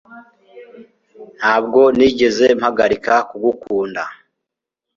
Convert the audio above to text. ntabwo nigeze mpagarika kugukunda